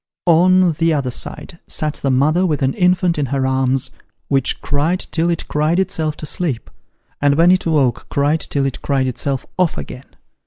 On the other side sat the mother with an infant in her arms, which cried till it cried itself to sleep, and when it 'woke, cried till it cried itself off again.